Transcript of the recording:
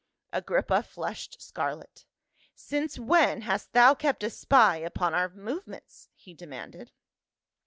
Agrippa flushed scarlet. " Since when hast thou kept a spy upon our movements ?" he demanded.